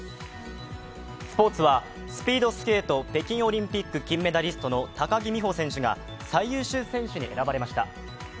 スポ−ツはスピードスケート北京オリンピック金メダリストの高木美帆選手が最優秀選手に選ばれました。